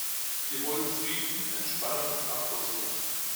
Wir wollen Frieden, Entspannung und Abrüstung.